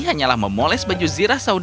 hanyalah memoles baju zirah saudara